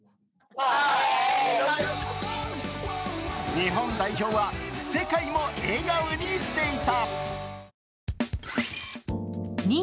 日本代表は世界も笑顔にしていた。